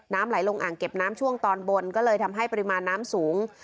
ไหลลงอ่างเก็บน้ำช่วงตอนบนก็เลยทำให้ปริมาณน้ำสูง